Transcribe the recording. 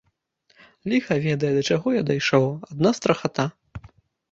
Ліха ведае, да чаго я дайшоў, адна страхата.